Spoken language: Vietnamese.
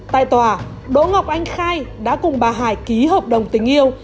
tại tòa đỗ ngọc anh khai đã cùng bà hải ký hợp đồng tình yêu